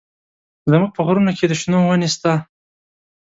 زموږ په غرونو کښې د شنو ونې سته.